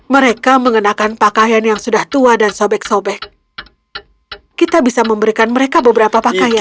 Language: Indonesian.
mereka mengenakan pakaian yang sudah tua dan sobek sobek kita bisa memberikan mereka beberapa pakaian